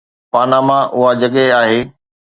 Panama اها جڳهه آهي.